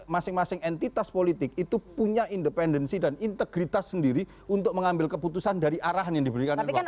masing masing entitas politik itu punya independensi dan integritas sendiri untuk mengambil keputusan dari arahan yang diberikan oleh golkar